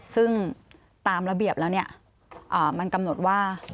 ซึ่งตามระเบียบแล้วเนี่ยมันกำหนดว่า